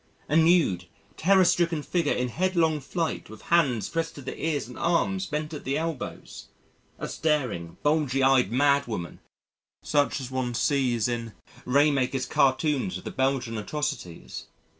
A nude, terror stricken figure in headlong flight with hands pressed to the ears and arms bent at the elbows a staring, bulgy eyed mad woman such as one sees in Raemakers' cartoons of the Belgian atrocities.